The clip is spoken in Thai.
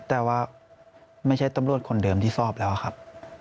แต่ว่าไม่ใช่ตำรวจคนเดิมที่สอบแล้วครับ